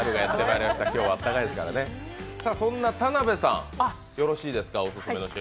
そんな田辺さん、よろしいですか？